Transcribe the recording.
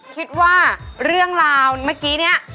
คิดว่าเรื่องราวเมื่อกี้เนี่ย